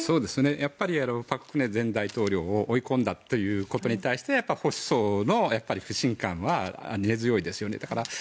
やっぱり朴槿惠前大統領を追い込んだということに対して保守層の不信感は根強いです。